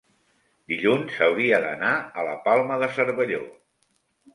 dilluns hauria d'anar a la Palma de Cervelló.